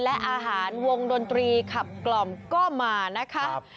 และอาหารวงดนตรีขับกล่อมก็มานะคะ